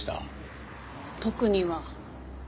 特には。